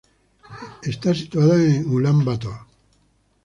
Está situada en Ulán Bator.